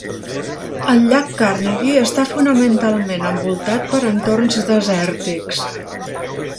El llac Carnegie està fonamentalment envoltat per entorns desèrtics.